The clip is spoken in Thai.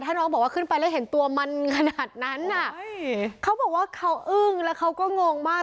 ถ้าน้องบอกว่าขึ้นไปแล้วเห็นตัวมันขนาดนั้นน่ะเขาบอกว่าเขาอึ้งแล้วเขาก็งงมาก